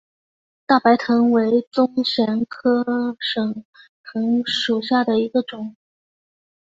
大白藤为棕榈科省藤属下的一个种。